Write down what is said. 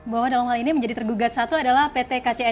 bahwa dalam hal ini menjadi tergugat satu adalah pt kci